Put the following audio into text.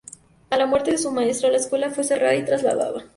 A la muerte de su maestra, la escuela fue cerrada y trasladada.